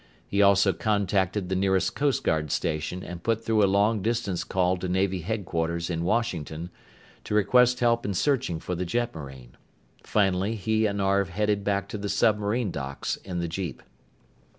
He also contacted the nearest Coast Guard station and put through a long distance call to Navy Headquarters in Washington to request help in searching for the jetmarine. Finally he and Arv headed back to the submarine docks in the jeep.